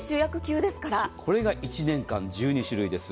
これが１年間１２種類です。